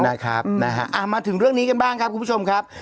นะครับนะฮะมาถึงเรื่องนี้กันบ้างครับคุณผู้ชมครับ